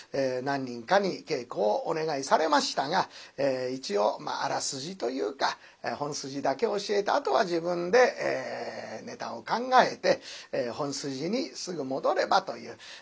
何人かに稽古をお願いされましたが一応あらすじというか本筋だけ教えてあとは自分でネタを考えて本筋にすぐ戻ればという。